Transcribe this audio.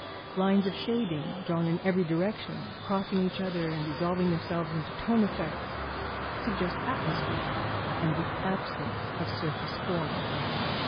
Lines of shading drawn in every direction, crossing each other and resolving themselves into tone effects, suggest atmosphere and the absence of surface form.